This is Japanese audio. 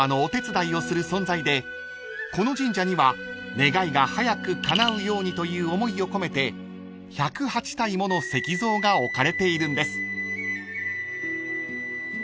［この神社には願いが早くかなうようにという思いを込めて１０８体もの石像が置かれているんです］